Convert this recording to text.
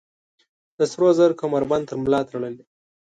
د سروزرو کمربند تر ملا تړلي